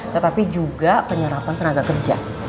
tetapi juga penyerapan tenaga kerja